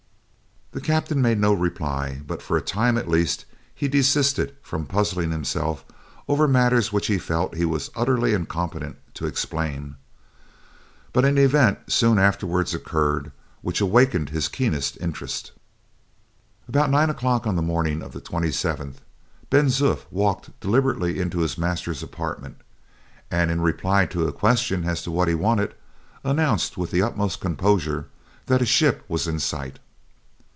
'" The captain made no reply, but for a time, at least, he desisted from puzzling himself over matters which he felt he was utterly incompetent to explain. But an event soon afterwards occurred which awakened his keenest interest. About nine o'clock on the morning of the 27th, Ben Zoof walked deliberately into his master's apartment, and, in reply to a question as to what he wanted, announced with the utmost composure that a ship was in sight.